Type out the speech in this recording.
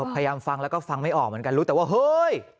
พยายามฟังแล้วก็ฟังไม่ออกเหมือนกันรู้แต่ว่าเฮ้ย